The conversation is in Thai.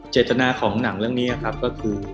เจตนาของหนังเรื่องนี้ครับก็คือ